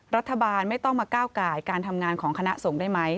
รัฐบาลไม่ต้องมาก้าวไก่การทำงานของคณะสงฆ์ได้ไหม